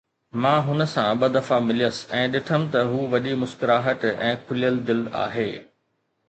مان هن سان ٻه دفعا مليس ۽ ڏٺم ته هو وڏي مسڪراهٽ ۽ کليل دل آهي.